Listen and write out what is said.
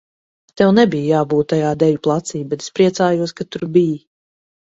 Tev nebija jābūt tajā deju placī, bet es priecājos, ka tur biji.